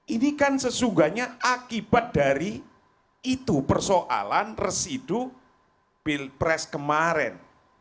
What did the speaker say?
ini kan sesungguhnya akibat dari itu persoalan residu pilpres kemarin